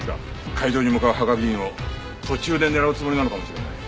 会場に向かう芳賀議員を途中で狙うつもりなのかもしれない。